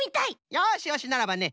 よしよしならばね